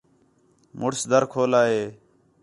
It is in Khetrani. مُݨس دَر کھولا ہِے